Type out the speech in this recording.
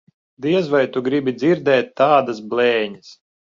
Diez vai tu gribi dzirdēt tādas blēņas.